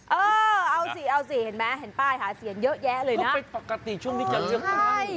เออเอาสิเอาสิเห็นไหมเห็นป้ายหาเสียงเยอะแยะเลยนะไม่ปกติช่วงนี้จะเลือกป้าย